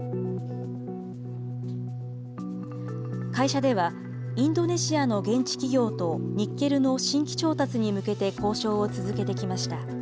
会社ではインドネシアの現地企業とニッケルの新規調達に向けて交渉を続けてきました。